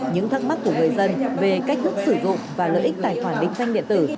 những thắc mắc của người dân về cách thức sử dụng và lợi ích tài khoản định danh điện tử